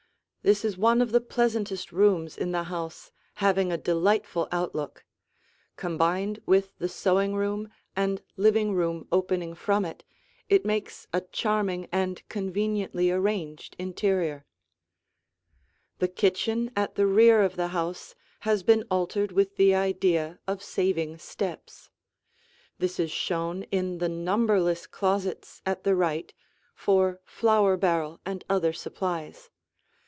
This is one of the pleasantest rooms in the house, having a delightful outlook; combined with the sewing room and living room opening from it, it makes a charming and conveniently arranged interior. [Illustration: The Kitchen] The kitchen at the rear of the house has been altered with the idea of saving steps. This is shown in the numberless closets at the right, for flour barrel and other supplies.